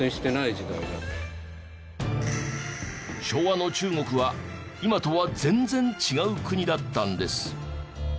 昭和の中国は今とは全然違う国だったんです。